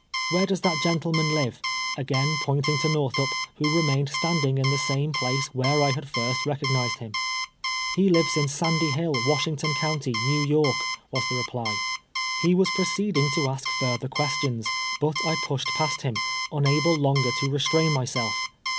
" AVliere does that gentleman live ?" again pointing to Northu]), who remained standing in the same place where I had first recognizetl him. " He lives in Sandy Hill, AVashington county, Xew York," was the reply. THE ilEETIXG. 303 He was proceeding to ask furtlier questions, Lut I pushed past him, unable hjnger to restrain myself.